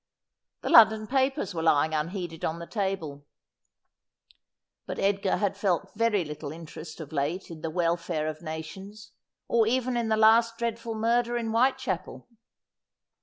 The London papers were lying unheeded on the table ; but Edgar had felt very little interest of late in the wel fare of nations, or even in the last dreadful murder in White chapel.